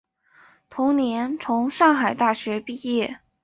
同年从上海大学毕业。